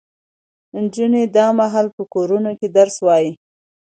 نجونې دا مهال په کورونو کې درس وايي.